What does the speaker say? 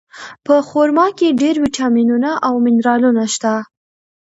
په خرما کې ډېر ویټامینونه او منرالونه شته.